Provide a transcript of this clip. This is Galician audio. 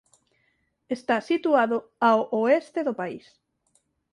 Está situado ao oeste do país.